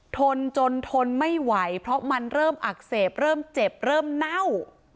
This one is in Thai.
ทนจนทนไม่ไหวเพราะมันเริ่มอักเสบเริ่มเจ็บเริ่มเน่า